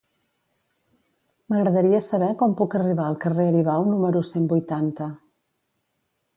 M'agradaria saber com puc arribar al carrer Aribau número cent vuitanta.